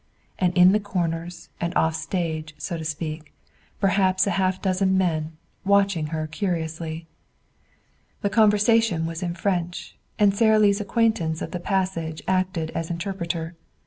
And in corners and off stage, so to speak, perhaps a half dozen men, watching her curiously. The conversation was in French, and Sara Lee's acquaintance of the passage acted as interpreter.